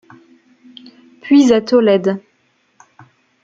Puis à Tolède.